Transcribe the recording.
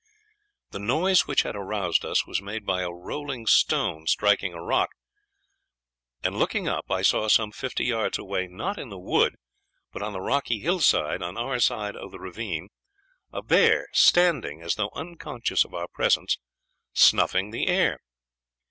"The noise which had aroused us was made by a rolling stone striking a rock: and looking up I saw some fifty yards away, not in the wood, but on the rocky hillside on our side of the ravine, a bear standing, as though unconscious of our presence, snuffing the air.